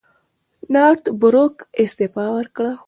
نارت بروک استعفی وکړه.